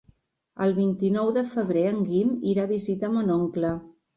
El vint-i-nou de febrer en Guim irà a visitar mon oncle.